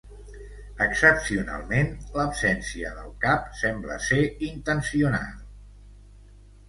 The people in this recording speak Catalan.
Excepcionalment, l'absència del cap sembla ser intencional.